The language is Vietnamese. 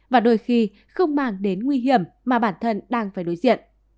và đôi khi không mang đến nguy hiểm mà bản thân đang phải đối diện